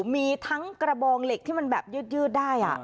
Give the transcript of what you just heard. มีทั้งกระบองเหล็กที่มันแบบยืดได้